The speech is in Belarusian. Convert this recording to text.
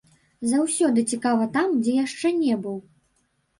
Заўсёды цікава там, дзе яшчэ не быў.